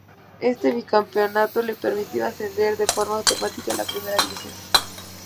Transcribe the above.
Este bicampeonato le permitió ascender de forma automática a la Primera División.